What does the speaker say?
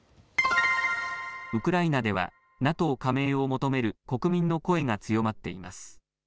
ウクライナではＮＡＴＯ加盟を求める国民の声が強まっています。